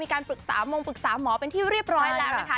การปรึกษามงปรึกษาหมอเป็นที่เรียบร้อยแล้วนะคะ